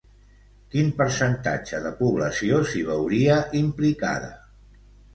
Quin percentatge de població s'hi veuria implicada?